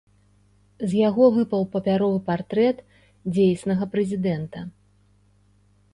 З яго выпаў папяровы партрэт дзейснага прэзідэнта.